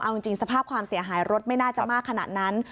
เอาจริงสภาพความเสียหายรถไม่น่าจะมากขนาดนั้น